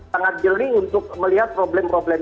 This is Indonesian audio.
sangat jeli untuk melihat problem problem